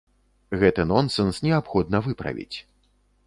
Гэты нонсэнс неабходна выправіць.